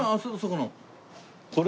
これ？